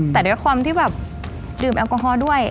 แต่ด้วยความที่แบบดื่มแอลกอฮอล์ด้วย